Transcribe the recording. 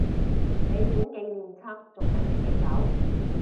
你本紀念冊仲喺唔喺手？